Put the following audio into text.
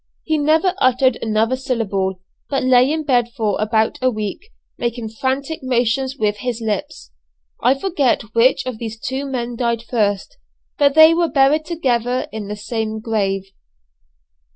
He never uttered another syllable, but lay in bed for about a week, making frantic motions with his lips. I forget which of these two men died first, but they were buried together in the same grave.